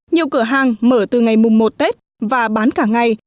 nhiều cửa hàng mở từ ngày mùng một tết và bán cả ngày